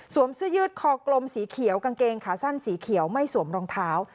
เสื้อยืดคอกลมสีเขียวกางเกงขาสั้นสีเขียวไม่สวมรองเท้า